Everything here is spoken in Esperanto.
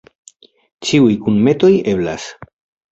Ĉiuj kunmetoj eblas.